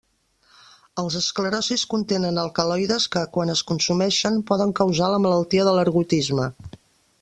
Els esclerocis contenen alcaloides que, quan es consumeixen poden causar la malaltia de l'ergotisme.